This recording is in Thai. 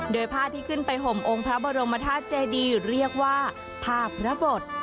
โดยผ้าที่ขึ้นไปห่มองค์พระบรมธาตุเจดีเรียกว่าผ้าพระบท